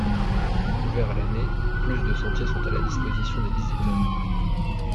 Ouverts à l’année, plus de de sentiers sont à la disposition des visiteurs.